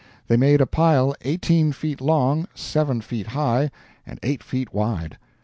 They made a pile eighteen feet long, seven feet high, and eight feet wide.